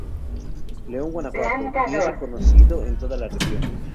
León Gto., y es reconocido en toda la región.